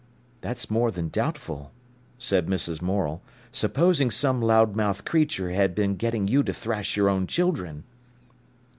"That's more than doubtful," said Mrs. Morel, "supposing some loud mouthed creature had been getting you to thrash your own children."